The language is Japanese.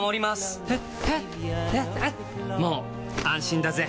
もう安心だぜ！